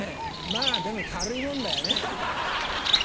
まぁでも軽いもんだよね。